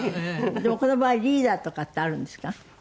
でもこの場合リーダーとかってあるんですか？